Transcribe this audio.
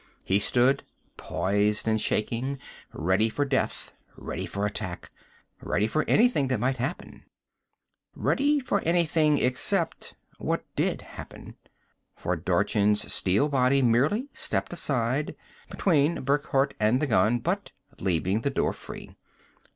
He stood poised and shaking, ready for death, ready for attack, ready for anything that might happen. Ready for anything except what did happen. For Dorchin's steel body merely stepped aside, between Burckhardt and the gun, but leaving the door free.